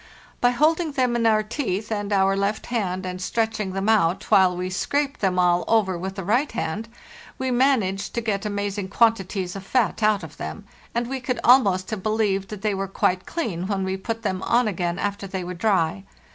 By holding them in our teeth and our left hand and stretching them out, while we scraped them all over with the right hand, we managed to get amazing quantities of fat out of them; and we could almost have believed that they were quite clean when we put them on again after they were dry.